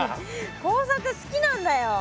工作好きなんだよ。